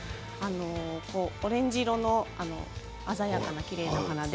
オレンジ色の鮮やかなきれいな花で。